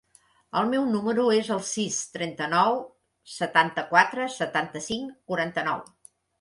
El meu número es el sis, trenta-nou, setanta-quatre, setanta-cinc, quaranta-nou.